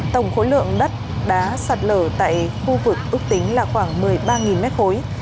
tổng khối lượng đất đá sạt lở tại khu vực ước tính là khoảng một mươi ba mét khối